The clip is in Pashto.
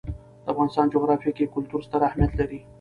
د افغانستان جغرافیه کې کلتور ستر اهمیت لري.